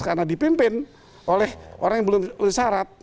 karena dipimpin oleh orang yang belum disarat